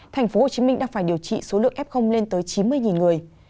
thành phố hồ chí minh đang phải điều trị số lượng f lên tới chín mươi người